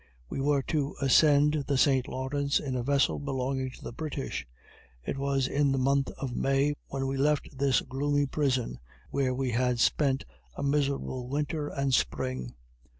We were to ascend the St. Lawrence in a vessel belonging to the British. It was in the month of May when we left this gloomy prison, where we had spent a miserable winter and spring.